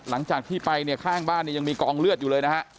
หลังจากที่ไปเนี่ยข้างบ้านเนี่ยยังมีกองเลือดอยู่เลยนะฮะ